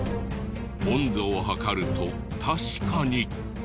温度を測ると確かに。